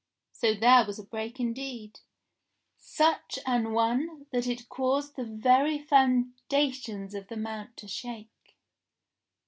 So there was a break indeed ; such an one that it caused the very foundations of the Mount to shake.